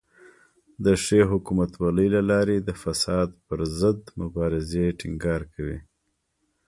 د ښې حکومتولۍ له لارې د فساد پر ضد مبارزې ټینګار کوي.